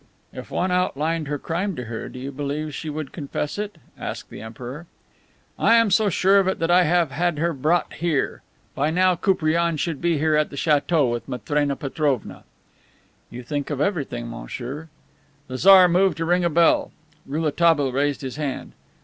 "If one outlined her crime to her, do you believe she would confess it?" asked the Emperor. "I am so sure of it that I have had her brought here. By now Koupriane should be here at the chateau, with Matrena Petrovna." "You think of everything, monsieur." The Tsar moved to ring a bell. Rouletabille raised his hand.